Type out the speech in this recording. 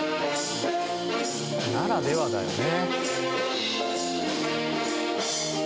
ならではだよね。